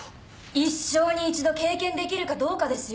一生に一度経験できるかどうかですよ。